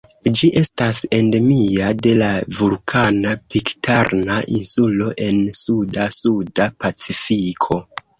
Ĝi estas endemia de la vulkana Pitkarna Insulo en suda Suda Pacifiko.